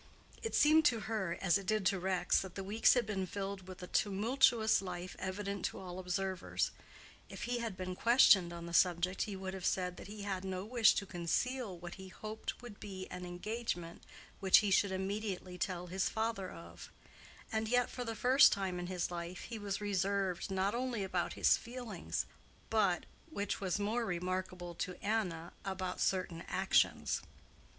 It seemed to her, as it did to Rex, that the weeks had been filled with a tumultuous life evident to all observers: if he had been questioned on the subject he would have said that he had no wish to conceal what he hoped would be an engagement which he should immediately tell his father of: and yet for the first time in his life he was reserved not only about his feelings but—which was more remarkable to Anna—about certain actions.